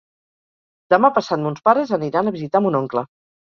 Demà passat mons pares aniran a visitar mon oncle.